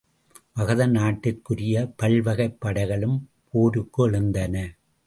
மகத நாட்டிற்குரிய பல்வகைப் படைகளும் போருக்கு எழுந்தன.